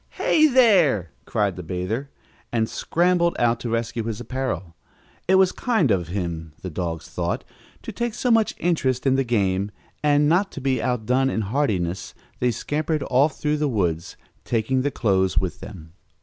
"Hey there!" cried the bather, and scrambled out to rescue his apparel. It was kind of him, the dogs thought, to take so much interest in the game, and, not to be outdone in heartiness, they scampered off through the woods, taking the clothes with them.